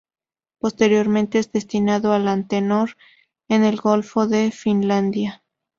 Posteriormente es destinado al "Antenor" en el Golfo de Finlandia.